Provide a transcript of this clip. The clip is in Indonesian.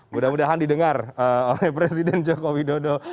mudah mudahan didengar oleh presiden jokowi dodo